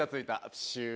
プシュー。